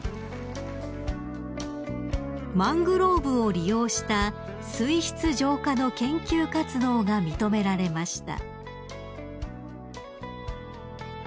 ［マングローブを利用した水質浄化の研究活動が認められました］